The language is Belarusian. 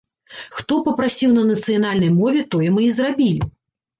Хто папрасіў на нацыянальнай мове, тое мы і зрабілі.